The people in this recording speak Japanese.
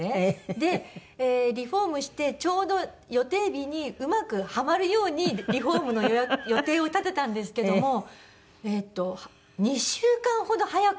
でリフォームしてちょうど予定日にうまくハマるようにリフォームの予定を立てたんですけどもえっと２週間ほど早く。